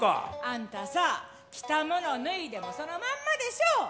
あんたさ着たもの脱いでもそのまんまでしょう！